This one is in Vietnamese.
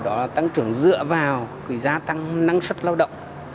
đó là tăng trưởng dựa vào gia tăng năng suất lao động